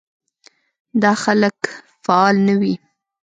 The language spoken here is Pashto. دا خلک فعال نه وي.